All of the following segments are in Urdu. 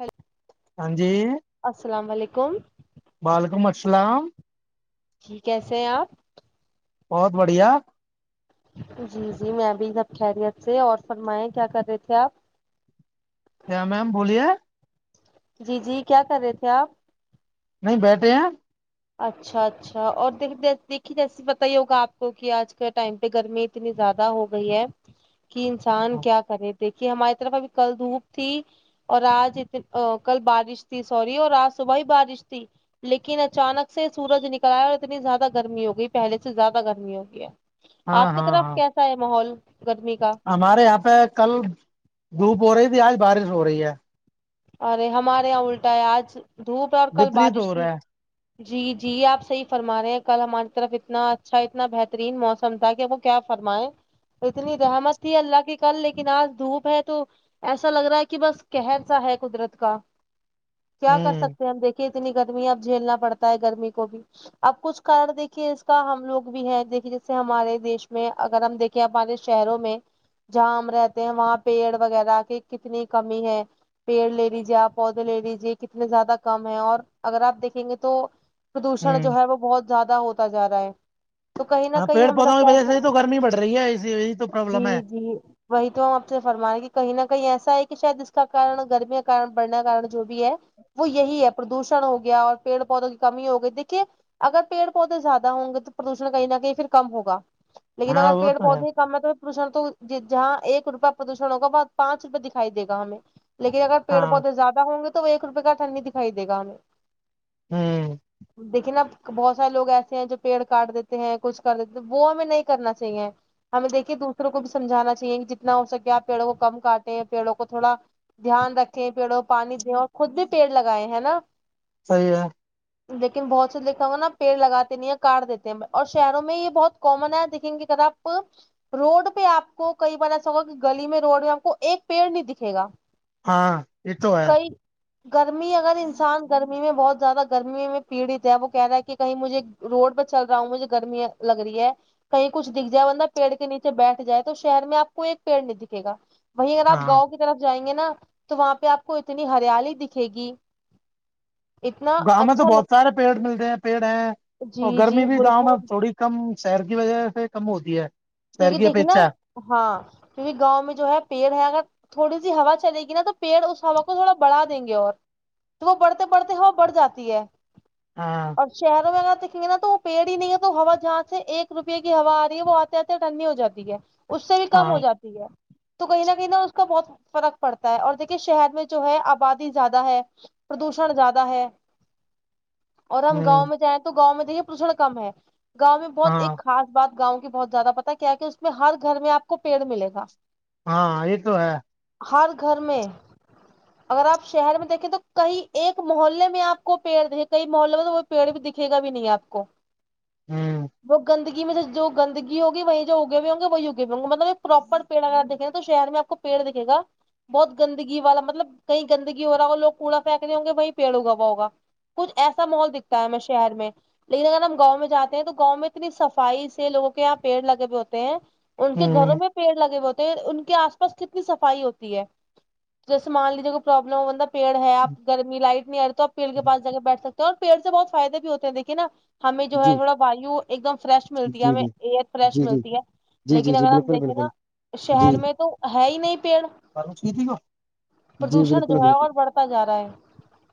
ہیلو [inaudible] ہاں جی السلام علیکم وعلیکم السلام جی کیسے ہیں آپ بہت بڑھیا جی جی میں ابھی جب خیریت سے اور فرمائے کیا کر رہے تھے آپ کیا میم بولیے جی جی کیا کر رہے تھے آپ نہیں بیٹھے ہیں اچھا اپ کو کہ اج کا ٹائم پہ گھر میں اتنی زیادہ ہو گئی ہے کی انسان کیا کرے دیکھیے ہماری طرف ابھی کل دھوپ تھی اور آج کل بارش تھی سوری اور آج صبح ہی بارش تھی لیکن اچانک سے سورج نکل ایا اور اتنی زیادہ گرمی ہو گئی پہلے سے زیادہ گرمی ہوگئی ہے ہاں آپ کی ہاں طرف ہاں کیسا ہے ماحول گرمی کا ہمارے یہاں پہ کل دھوپ ہو رہی تھی آج بارش ہو رہی ہے ارے ہمارے یہاں الٹا ہے آج دھوپ ہے اور کل وپریت بارش ہو تھی رہا ہے جی جی آپ صحیح فرما رہے ہیں کل ہماری طرف اتنا اچھا اتنا بہترین موسم تھا کہ وہ کیا فرمائے اتنی رحمت تھی اللہ کی کل لیکن آج دھوپ ہے تو ایسا لگ رہا ہے کہ بس کہر سا ہے قدرت کا کیا کر ہوں سکتے ہیں ہم دیکھ کہ اتنی گرمی ہے اب جھیلنا پڑتا ہے گرمی کو بھی اب کچھ کار دیکھیے اس کا ہم لوگ بھی ہیں دیکھیے جیسے ہمارے دیش میں اگر ہم دیک کہ ہمارے شہروں میں جہاں ہم رہتے ہیں وہاں پیڑ وغیرہ کی کتنی کمی ہے پیڑ لے لیجیے آپ پودے لے لیجیے کتنے زیادہ کم ہے اور اگر آپ دیکھیں گے تو پردوشن جو ہوں ہے وہ بہت زیادہ ہوتا جا رہا ہے تو کہیں نہ ہاں کہیں پیڑ ہمارا پودوں کی فش وجہ سے ہے ہی تو گرمی بڑھ رہی ہے اسی یہی تو پرابلم ہے جی جی وہی تو ہم آپ سے فرما رہے کہ کہیں نہ کہیں ایسا ہے کہ شاید اس کا کن گرمیں کا بڑنے کا کارن جو بھی ہے وہ یہی ہے پردوشن ہو گیا اور پیڑ پودوں کی کمی ہو گئی دیکھیے اگر پیڑ پودے زیادہ ہوں گے تو پردوشن کہیں نہ کہیں پھر کم ہوگا لیکن ہاں اگر وہ پیڑ تو ہے پودے اس کا متلب پردشن تو جہاں ایک روپیہ پردوشن ہوگا وہ پانچ روپئے دکھائی د یگا ہمیں لیکن اگر پیر ہاں پودے زیادہ ہوں گے تو وہ ایک روپئے کا اٹھنی دکھائیے گا ہمیں ہوں دیکھیں نا بہت سارے لوگ ایسے ہیں جو پیڑ کاٹ دیتے ہیں کچھ کر دیتے ہیں وہ ہمیں نہیں کرنا چاہیے ہمیں دیکے دوسروں کو بھی سمجھانا چاہیے کہ جتنا ہو سکے آپ پیڑوں کو کم کاٹے پیڑوں کو تھوڑا دھیان رکھیں پیڑوں پانی دو اور خود بھی پیڑ لگائے ہے نا صحیح ہے [inaudible] لیکن بہت سے لوگ نا دیکا ہوا نا پیڑ لگاتے نہیں ہیں کاٹ دیتے ہیں اور شہروں میں یہ بہت کومن ہے دیکھیں گے اگر آپ پروڈ آپ کو کیی بار ایسا ہوا کہ گلی میں روڈ میں آپ کو ایک پیڑ نہیں دکھے گا ہاں یہ تو ہے نہیں گرمی اگر انسان گرمی میں بہت زیادہ گرمی میں پیڑت ہے وہ کہہ رہا ہے کہ کہیں مجھے روڈ پہ چل رہا ہوں مجھے گرمییا لگ رہی ہے کہیں کچھ دکھ جائے بندہ پیڑ کے نیچے بیٹھ جائے تو شہر میں آپ کو ایک پیڑ نہیں دکھے گا وہیں اگر آپ ہاں گاؤں کی طرف جائیں گے نا تو وہاں پہ آپ کو اتنی ہریالی دکھے گی [inaudible] گاؤں میں تو اچھا بہت لگ سارے پیڑ مل رہیںے پیڑ ہیں جی اور گرمی جی بھی گاؤں میں بالکل تھوڑی کم شہر کی وجہ سے کم ہوتی ہے شہر کیونکہ کی دیکھیے نا اپیچھا ہاں کیونکہ گاؤں میں جو ہے پیڑ ہے اگر تھوڑی سی ہوا چلے گی نا تو پیڑ اس ہوا کو تھوڑا بڑھا دیں گے اور وہ بڑھتے پڑھتے وہ بڑھ جاتی ہے ہاں اور شہروں میں اگر دیکیں گے نا تو وہ پیڑ ہی نہیں ہے تو ہوا جہاں سے ایک روپے کی ہوا آ رہی ہے وہ تے ٹھنڈی ہو جاتی ہے اس سے بھی کم ہاں ہو جاتی ہے تو کہیں نہ کہیں نہ اس کا بہت فرق پڑتا ہے اور دیکھیے شہر میں جو ہے آبادی زیادہ ہے پردوشن زیادہ ہے [inaudible] اور ہم ہوں گاؤں میں جائیں تو گاؤں میں دیکے پشن کم ہے گاؤں میں بہت ہاں ایک خاص بات گاؤں کی بہت زیادہ پتا ہے کیا کہ اس میں ہر گھر میں آپ کو پیڑ ملے گا ہاں یہ تو ہے ہر گھر میں اگر آپ شہر میں دیکھیں تو کئی ایک محلے میں آپ کو پیڑ دیں کئی محلے میں تو پیڑ بھی دکھے گا بھی نہیں آپ کو ہوں وہ گندگی میں جو گندگی ہوگی وہی جو اگے بھی ہوں گے وہی اگے بھی ہ گے مطلب ایک پراپر پڑ اگر دیکیں گ تو شہ میں آپ کو پیڑ دکھےا بہت گندگی والا مطلب کہیں گندگی ہو رہا ہوو کوڑا پھینکے ہوں گے وہیں پیڑ اگا ہوا ہوگا کچھ ایسا ماحول دکھتا ہے میں شہر میں لیکن اگر ہم گاؤں میں جاتے ہیں تو گاؤں میں اتنی صفائی سے لوگوں کو یہاں پیڑ لگے ہوئے ہوتے ہیں ان کے گھروں ہوں میں پیڑ لگے ہوئے ہوتے ہیں ان کے آس پاس کتنی صفائی ہوتی ہے جیسے مان لیجیے کوئی پرابلم ہو ب پیڑ ہے آپ گرمی لائٹ نہیں آ رہ توپ پیڑ کے پا ج کے بیٹھ سکتے ہیں اور پیڑ سے بہت فائدے بھی ہوتے ہیں دیکے نا ہمیں جو جی ہے تھوڑا وایو ایک دم فریش جی ملتی ہے جی جی ہمیں ایئر فریش جی ملتی ہے جی لیکن جی جی اگر ہم بالکل دیکھیں نا بالکل شہر میں تو ہے ہی نہیں پیڑ پروش تھی کو پردوشن جو ہے اور بڑھتا جا رہا ہے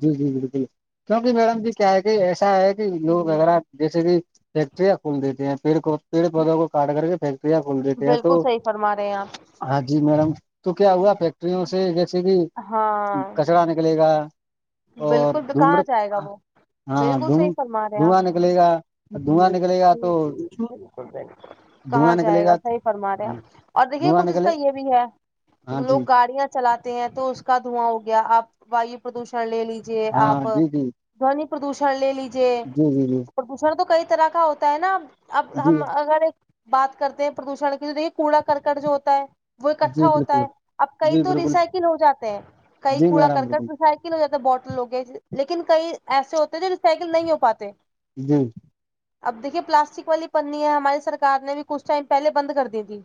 جی جی بالکل کیونکہ میڈم جی کیا ہے کہ ایسا ہے کہ لوگ جی اگر جیسے کہ فیکٹریاں کھول دیتی ہیں پڑ کو پیڑ پودوں کو کاٹ کر کے فٹری تو بول رہے تھے ہیں تو بالکل صحیح فرما رہے ہیں آپ ہاں جی میڈم تو کیا ہوا فیکٹریوں سے جیکسے کہ ہاں کچرا نکلے گا اور بالکل تو دھومر کہاں جائے گا وہ ہاں بالکل دھوم صحیح فرما رہے ہیں آپ دھواں نکلے گا دھواں نکلے گا جی تو جی بالکل بالکل کہاں دھواں جائے نکلے گا صحیح فرما رہے ہاں آپ [unintelligible] اور دیکھیے دھواں کچھ اس نکلے کا یہ بھی ہے ہاں جی لوگ گاڑیاں چلاتے ہیں تو اس کا دھواں ہو گیا آپ وایو پردوشن لے لیجیے ہاں آپ جی جی دونی پردوشن لے لیجیے جی جی پردوشن تو کئی طرح کا ہوتا ہے نا اب جی ہم اگر ایک بات کرتے ہیں پردوشن کی تو دیکے کوڑا کرکٹ جو ہوتا ہے وہ جی جی اکٹھا ہوتا بالکل ہے اب کئی جی تو بالکل ریسائیکل ہو جاتے ہیں کئی جی کوڑا کر میرام کر بالکل ریسائیکل ہو جاتا بوٹل ہوگے لیکن کئی ایسے ہوتے ہیں جو ریسائیکل نہیں ہو پاتے جی [inaudible] اب دیکھیے پلاسٹک والی پنی ہے ہماری سرار نے بھی کچھ ٹائم پہلے بند کر دی تھی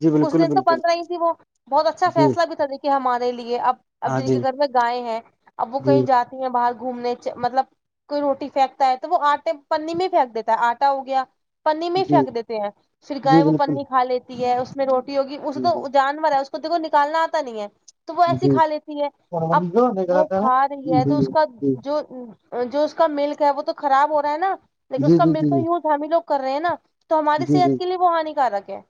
جی کچھ بالکل دن تو بالکل بند رہا ہی تھی وہ بہت اچھا جی فیصلہ بھی تھا دیکھے ہمارے لیے اب اب ہاں د جی کے گھر میں گائےیں ہیں اب وہ جی کہیں جاتی ہیں باہر گھومنے مطلب کوئی روٹی پھینکتا ہے تو وہ آٹے پنی میں پھینک دیتا ہے آٹا ہو گیا پنی میں ہی جی پھینک دیتے ہیں پھر جی گائے وہ بالکل پنی کھا لیتی ہے اس میں روٹی ہوگی اس تو جی جانور ہے خود کو نکالنا آتا نہیں ہے تو وہ ایسی جی کھا لیتی ہے اب وہ جیاتا ہے کھا رہی ہے تو جی اس کا جی جو جو اس کا ملک ہے وہ تو خراب ہو رہا ہے نا لیکن اس جی کا جی ملک جی کا یوز ہم ہی لوگ کر رہے ہیں نا تو ہماری جی جی صحت کے لیے وہ ہانیکارک ہے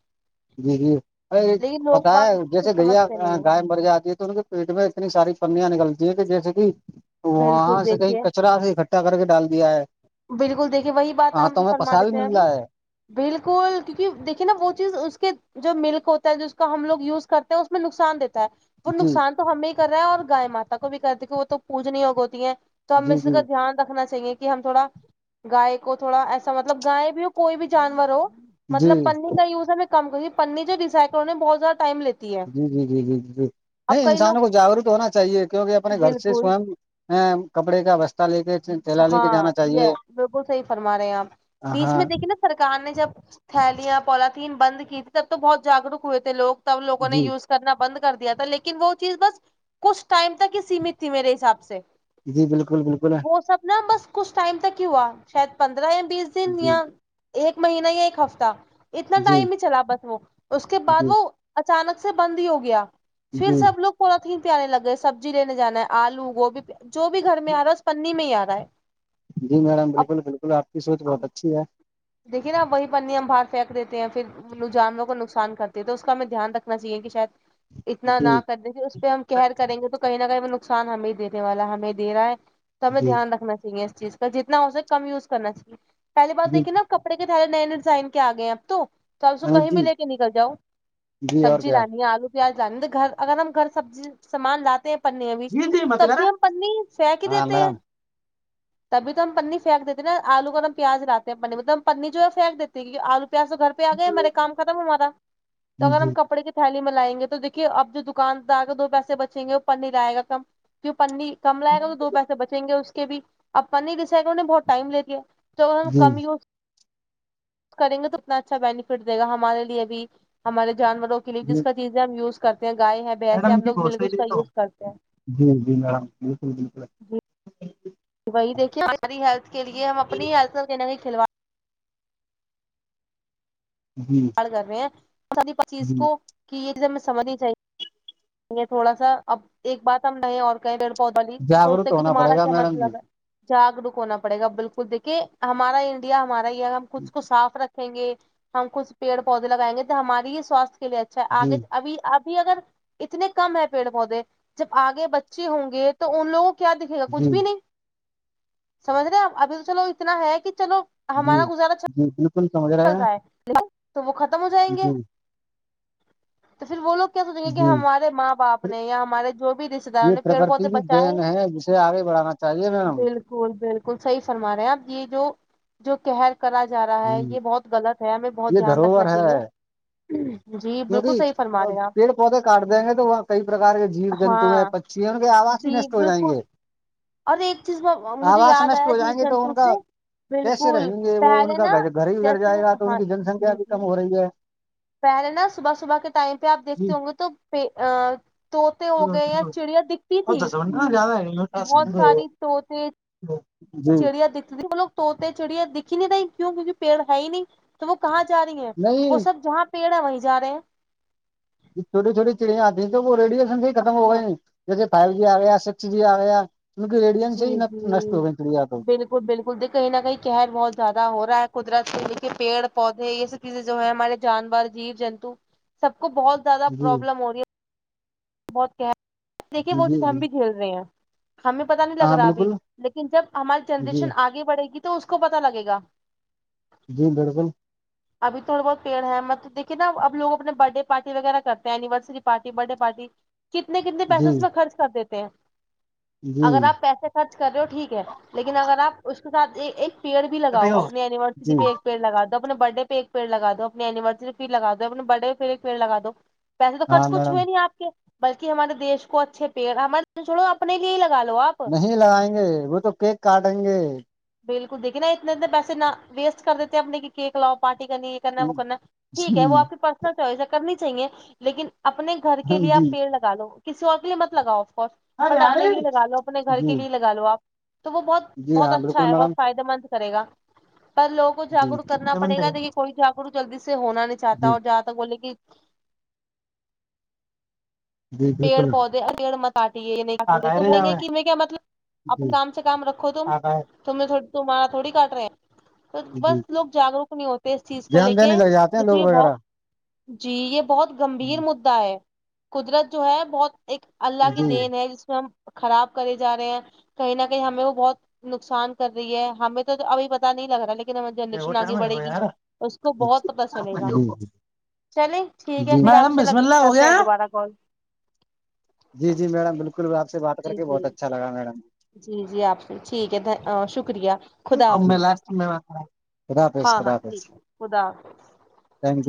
جی جی ار لیکن لوگ پتا باگ ہے جیسے کچھ گھیا سمجھتے نہیں ہیں گائے مر جاتی ہے تو ان کے پیٹ میں اتنی ساری پنیاں نکلتی ہیں کہ جیسے کہ بالکل وہاں سے کہیں دیکھیے کچرا سے اھا کر کے ڈال دیا ہے بالکل دیکھیے وہی بات ہاں ہم تو سے ہمیں فرما پسا بھی دیتے ہیں مل ابھی رہا ہے بالکل کیونکہ دیکھیے نا وہ چیز اس کے جو ملک ہوتا ہے جس کا ہم لوگ یوز کرتے ہیں اس میں نقصان دیتا ہے وہ جی نقصان تو ہمیں ہی کر رہا ہے اور گائے مات کو بھی کرتی کی وہ تو پوجنی ہوگ ہوتی ہیں تو ہم جی اس جی کا دھیان رکھنا چاہیے کہ ہم تھوڑا گائے کو تھوڑا ایسا مطلب گائے بھی ہو کوئی بھی جانور ہو جی مطلب پنی ز ہم میں کم کری پنینے جو ڈیائ کروں نے بہت زیادہ ائم لی جی جی جی جی جی جی نہیں انسانوں لوگ کو جاگروک ہونا چاہیے کیونکہ اپنے گھر سے بالکل سو ہ کپڑے کا وسہ لے کے تھیلا لے کے ہاں جانا چاہیے یہ بالکل صحیح فرما رہے ہیں آپ بیچ ہاں میں دیکھیے نا سرار نے جب تھیلیاں پولاتھیین بند کی تھی تب تو بہت جاگروک ہوئے تھے لوگ سب لگوں نے جی یز کرنا بند کر دیا تھا لیکن وہ چیز بس کچھ ٹائم تک ہی سیمت تھی میرے حساب سے جی بالکل بالکل ہے نہ بس کچھ ٹائم تک ہی ہوا شاید پندرہ یا بیس دن جی یا ایک مہینہ یا ایک ہفتہ اتنا جی ٹائم ہی چلا بس وہ اس کے بعد جی وہ اچانک سے بند ہی ہو گیا پھر جی سب لوگ پورا تھیین پی آنے لگے سبزی لینے جانا ہے آلو گوبھی جو بھی گھر میں آ رہا ہے پنی میں ہی آ رہا ہے جی میڈم بالکل بالکل آپ کی سوچ بہت اچھی ہے دیکے نا آپ وہی پنی ہم باہر پھینک دیتے ہیں پھر جانوروں کو نقصان کرتے ہے تو اس کا ہمیں دھیان رکھنا چاہیے کہ شاید اتنا نہ جی کرنے کی اس پہ ہم کہہر کریں گے تو کہیں نہ کہیں وہ نقصان ہمیں دینے والا ہمیں د رہا ہے تو ہمیں جی دھیان رکھنا چاہیے اس چیز کا جتنا ہوسے کم یوز کرنا چاہیے پہلی بات جی دیکھیے نا کپڑے کے تھارے نئے ڈیزائن کے آ گئے ہیں اب تو توسو کہیں بھی جی لے کے نکل جاؤ جی اور سبزی کیا لانی ہے آلو گھر اگر ہم گھر سبزی سامان لاتے ہیں پنیا بھی جی جی مت کر تبھی ہم پنی سہ کی ہاں دیتے ہیں میڈم تبھی تو ہم پنی پھینک دیتے نا آلو گ اورم پیاز لاتتے ہیں پنی ایک دم پنی جو ہے پنک دیتی ہے آلو پیاز تو گھر پہ آ گئے میرے جی کام ختم ہو ہمارا تو اگر ہم کپڑے کے تھلی م لائیں گے تو دیکے اب جو دکاندار کے دو پیسے بچیں گے اوپن نہیں رہائے گا کم جو پ کم لائے گا تو دو پیسے بچیں گے اس کے بھی اب پنی دسے گ انہیں بہت ٹائم لے دیا تو جی کمی ہو کریں گے تو اتنا اچھا بینیفٹ دےا ہمارے لیے بھی ہمارے جانوروں کے لیے جی جس کا چیز ہم یوز کرتے ہیں گائے ہے بھینس سے میڈم ہم جی لگ بہت مل کے صحیح اس کا یوز کرتے ہیں جی جی میم بالکل بالکل [unintelligible] جی وہی دیکے ہماری ہیلتھ کے لیے ہم اپنی ہیتھ کھلو جی کر رہے ہیں س پ چیز جی کو کہ یہ چیز ہمیں سمجھنی چاہیے یہ تھوڑا سا اب ایک بات ہم نہیں اور کہیں پیڑ پودا لی تو جاگروک سوچتے کہ ہونا پڑے تمہارا گا کیا میڈم جی مطلب ہے جاگروک ہونا پڑے گا بالکل دیکے ہمارا انڈیا ہمارا یہ ہم خود کو صاف رکھ رکھیں گے ہم کچھ پیڑ پودے لگائیں گے تو ہماری ہی سوستھ کے لیے اچھا ہے جی آگے اھی آب اگر اتنے کم ہے پیڑ پودے جب آگے بچے ہوں گے تو ان لوگوں کیا دکھے گا کچھ جی بھی نہیں سمجھ رہےپ ابھی تو چلو اتنا ہے کہ چلو جی ہمارا گزارا جی جی تو وہ ختم ہو جائیں گے جی تو پھر وہ لوگ کیا سوچیں گے کہ جی ہمارے ماں باپ نے یا ہمارے جو بھی رشتے داروں نے پیڑ پودے بچائے ہیں نا اس سے آگے بڑھانا چاہیے میم بالکل بالکل صحی فرما رہے اب یہ جو جو کہہر کرا جا رہا ہے ہ یہ بہت غلط ہے ہمیں بہت یہ دھیان دھروہر رکھنا ہے چاہیے جی بالکل صحیح فرما کیونکہ رہے ہیں پیڑ پودے کاٹ دیں گے تو وہاں کئی پرکار کے جیو آپ جنتو ہیں ہاں چیون کے آواز ہی جی نشٹ ہو جائیں بالکل گے اور ایک چیز مجھے آواز یاد نشٹ آیا ہو جیو جائیں گے تو جنتو ان سے کا کیسے بالکل رہیں گے وہ ان پہلے کا نا گھر ہی اجڑ جیسے جائے گا تو ان ہاں کی جن سنکھیا جی بھی جی کم ہو رہی ہے پہلے نا صبح صبح کے ٹائم پہ آپ جی دیکھتے ہوں گے تو پ طوط ہو گئے چڑیا دکھتی اور تھی دس منٹ نا زیادہ بہت ہے ساری طط جی چڑیا دکھتی ہ لو توتے چڑیا دکھھی نہیں رہیں کیوں کیونکہ پیڑ ہے ہی نہیں تو وہ کہاں جا رہی ہے وہ نہیں سب جہاں پیڑ ہے وہیں جا رہے ہیں چھوٹی چھوٹی چڑیاں آتی ہیں تو وہ ریڈیشن سے ہی ختم ہو گئے ہاں نہیں ج فائیو جی آ گیا سکس جی آیا ریڈینس ہے جی ن جی ہو چڑیا تو بالکل بالکل دیک کہیں نہ کہیں قہر بہت زیادہ ہو رہا ہے قدرت سے دیکے پیڑ پودے یہ سب جو ہے ہمارے جانور جیو جنتو سب کو بہت زیادہ جی پرابلم ہو رہی ہے بہت کہ دیکھیے جی وہ چیز ہم جی بھی کھیل رہے ہیں ہمیں پتا نہیں لگ ہاں رہا ابھی بالکل لیکن جب ہماری جی جنریشن آگے بڑھے گی تو اس کو پتا لگے گا جی بالکل [inaudible] اب تو تھوڑ بہت پیڑ ہے مطل دیکھی نا ابو اپنے برت ڈے پارٹی وغیرہ کرتے ہیں anniversary party birthday party کتنے کتنے پیسے جی اس میں خرچ کر دیتے ہیں جی اگر آپ پیسے خرچ کر رہے ہو ٹھیک ہے لیکن اگر آپ اس کے ساتھ ایک پیڑ بھی لگاؤ اپنی اینیورسٹی جی پہ پیڑ لگا دو اپنے برڈے پہ ایک پڑگا دو اپنی ایننیورسری پی لگا دو اپنے برڈے پ ایک پڑ لگا دو پیسے تو خرچ ہاں کچھ میڈم ہوئے نہیں آپ کے بلکہ ہمارے دیش کو اچھے پیڑ ہمارے چھوڑو اپنے لیے ہی لگا لو آپ نہیں لگائیں گے وہ تو کیک کاٹیں گے بالکل دیکھیے نا اتنے اتنے پیسے نہ ویسٹ کر دیتے اپنے کہ کیک لاؤ پارٹی کرنی کرنا ہے وہ کرنا ٹھیک ہے وہ آپ کی پرسنل چوائس ہے کرنی چاہیے لیکن اپنے گھر کے ہاں لیے جی آپ پیڑ لگ لگا لو کسی اور کے لیے مت لگاؤ آف کورس بٹ اپنے لیے لگا لو اپنے گھر کے جی لیے لگا لو آپ تو وہ بہت جی بہت ہاں اچھا بالکل ہے بہ میڈم فائدے مند کرے گا پر لوگ کو جی جاگروک کرنا پڑےا جی دیکن کوئی جاگروک جلدی سے ہونا نہیں چاہتا اور جہاں تک بولے گ جی پیڑ بالکل پودے پیڑ م کاٹیے یہ نہیں چے تو بیں گے کہ میں کیا مطلب اپنے جی کام سے کام رکھو تم تمہیں تھ تمہارا تھوڑی کاٹ رہ ہیں تو بس جی لوگ جاگروک نہیں ہوتے اس چیز کو لے دھیان کے دینے لگ جاتے ہیں کیس لوگ یہ بہت وغیرہ جی یہ بہت گمبھیر ما قدرت جو ہے بہت ایک اللہ کی دین جی ہے جس میں ہم خراب کرے جا رہے ہیں کہیں نہ کہیں ہمیں وہ بہت نقصان کر رہی ہے ہمیں تو تو ابھی پت نہیں لگ رہا ہے لیکن ن وہ جنریشن آگے ٹائم ہے بڑھے وہ گی یار اس کو بہت پتا چلے گا چلیں ٹھیک ہے پھر آپ میڈم سے بسم لگ اللہ ہو کرتے گیا ہیں دوبارہ کال جی جی میڈم بالکل آپ سے بات کر جی کے بہت جی اچھا لگا میڈم جی جی آپ سے ٹھیک ہے شکریہ خدا میں حافظ لاسٹ میں ہے ہاں ہاں ٹھیک ہے خدا حافظ ہاں جی